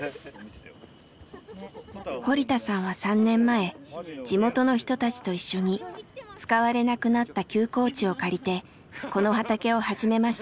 堀田さんは３年前地元の人たちと一緒に使われなくなった休耕地を借りてこの畑を始めました。